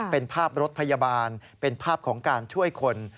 เป็นภาพรถพยาบาลเป็นภาพของการช่วยคน